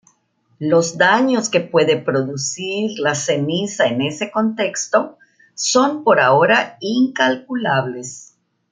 Los daños que puede producir la ceniza en ese contexto son por ahora incalculables.